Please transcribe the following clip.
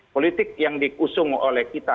politik yang diusung oleh kita